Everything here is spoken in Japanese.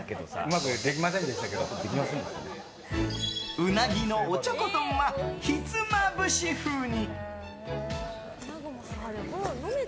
ウナギのおちょこ丼はひつまぶし風に。